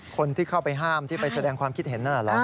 คนที่เข้าไปห้ามที่ไปแสดงความคิดเห็นนั่นแหละ